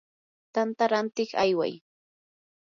tanta rantiq ayway.